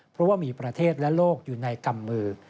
เพราะว่ามีประเทศและโลกอยู่ในกำมือ